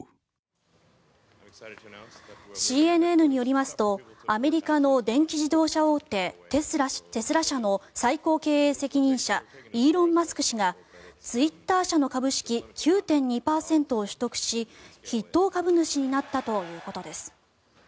ＣＮＮによりますとアメリカの電気自動車大手テスラ社の最高経営責任者イーロン・マスク氏がツイッター社の株式９．２％を取得し筆頭株主になったということです。